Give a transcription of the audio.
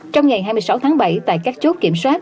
trong ngày hai mươi sáu tháng bảy tại các chốt kiểm soát